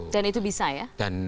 dan itu bisa ya